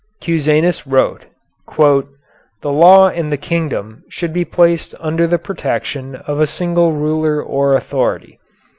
Cusanus wrote: "The law and the kingdom should be placed under the protection of a single ruler or authority.